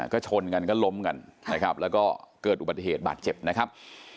ก็ชนกันก็ล้มกันนะครับแล้วก็เกิดอุบัติเหตุบาดเจ็บนะครับ